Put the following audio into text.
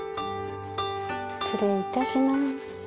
失礼いたします。